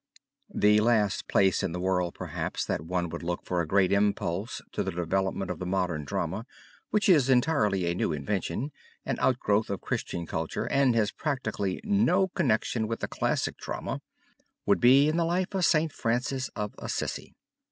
The last place in the world, perhaps, that one would look for a great impulse to the development of the modern drama, which is entirely a new invention, an outgrowth of Christian culture and has practically no connection with the classic drama, would be in the life of St. Francis of Assisi.